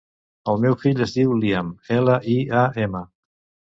El meu fill es diu Liam: ela, i, a, ema.